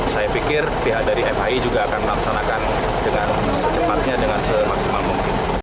saya pikir pihak dari fhi juga akan melaksanakan dengan secepatnya dengan semaksimal mungkin